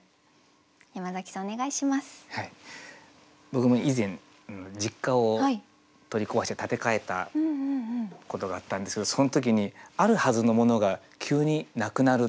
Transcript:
僕も以前実家を取り壊して建て替えたことがあったんですけどその時にあるはずのものが急になくなる。